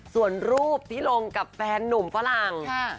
ส่วนรูปที่ลงกับแฟนนุ่มฝรั่ง